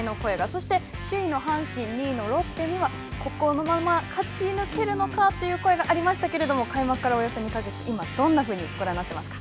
そして、首位の阪神、２位のロッテにはこのまま勝ち抜けるのかという声がありましたけれども、開幕からおよそ２か月、今、どんなふうにご覧になっていますか。